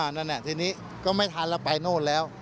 นั่นทีนี้ก็ไม่ทันแล้วไปโน่นแล้ว